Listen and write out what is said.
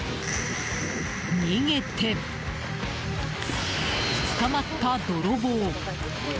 逃げて、捕まった泥棒。